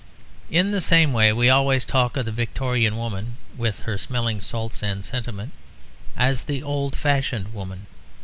In the same way we always talk of the Victorian woman (with her smelling salts and sentiment) as the old fashioned woman.